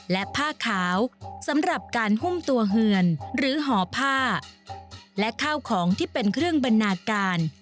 และผ้าขาวสำหรับการหุ้มตัวเฮือนหรือห่อผ้าและข้าวของที่เป็นเครื่องบรรณาการ